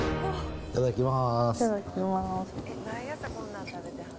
いただきます。